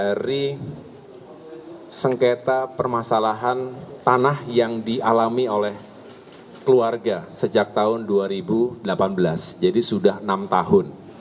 dari sengketa permasalahan tanah yang dialami oleh keluarga sejak tahun dua ribu delapan belas jadi sudah enam tahun